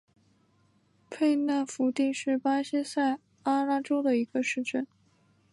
佩纳福蒂是巴西塞阿拉州的一个市镇。